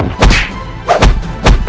aku akan membuatmu mati